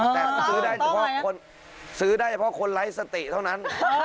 แต่ซื้อได้เฉพาะคนไร้สติเท่านั้น